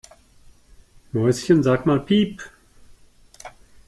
Mäuschen, sag mal piep!